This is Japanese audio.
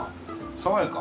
爽やか？